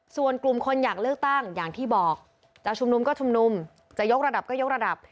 ส่วนกลุ่มคนอยากเลือกตั้งอย่างที่บอกจะชุมนุมก็ชุมนุมจะยกระดับก็ยกระดับ